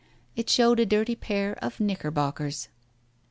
It showed a dirty pair of knickerbockers.